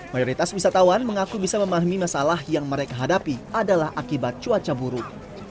mayoritas wisatawan mengaku bisa memahami masalah yang mereka hadapi adalah akibat cuaca buruk